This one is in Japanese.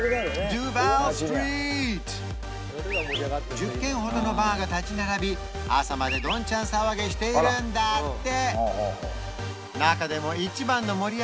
１０軒ほどのバーが建ち並び朝までどんちゃん騒ぎしているんだって